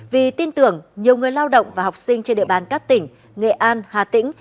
vì tin tưởng nhiều người lao động và học sinh trên địa bàn các tỉnh nghệ an hà tĩnh